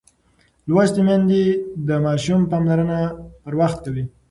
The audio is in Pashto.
لوستې میندې د ماشوم پاملرنه پر وخت کوي.